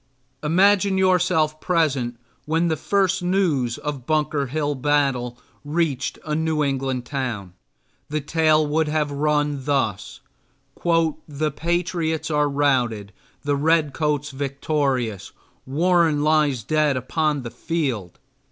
Imagine yourself present when the first news of Bunker Hill battle reached a New England town. The tale would have run thus, "The patriots are routed, the redcoats victorious, Warren lies dead upon the field."